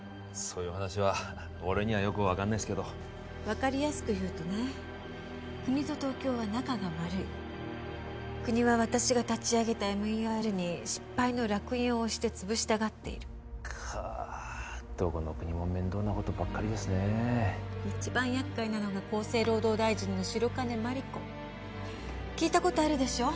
いう話は俺にはよく分かんないっすけど分かりやすく言うとね国と東京は仲が悪い国は私が立ち上げたＭＥＲに失敗のらく印を押してつぶしたがっているかどこの国も面倒なことばっかりですね一番厄介なのが厚生労働大臣の白金眞理子聞いたことあるでしょ？